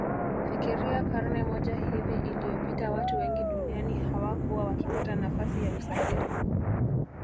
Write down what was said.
Fikiria karne moja hivi iliyopita watu wengi duniani hawakuwa wakipata nafasi ya kusafiri